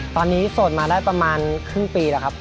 ตอนนี้โสดมาได้ประมาณครึ่งปีแล้วครับ